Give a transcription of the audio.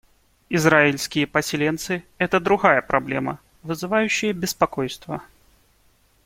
Израильские поселенцы — это другая проблема, вызывающая беспокойство.